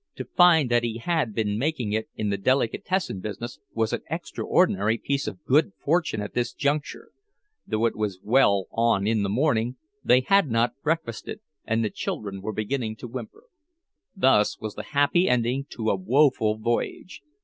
To find that he had been making it in the delicatessen business was an extraordinary piece of good fortune at this juncture; though it was well on in the morning, they had not breakfasted, and the children were beginning to whimper. Thus was the happy ending to a woeful voyage.